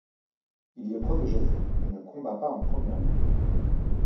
Il y est protégé et ne combat pas en première ligne.